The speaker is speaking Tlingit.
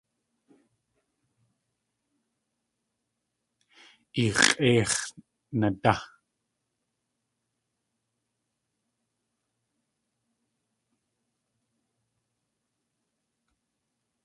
I x̲ʼéix̲ nadá!